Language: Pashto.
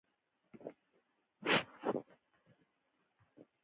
د عمراخان لېسه په اسداباد ښار یا کونړ کې